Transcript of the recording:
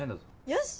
よし！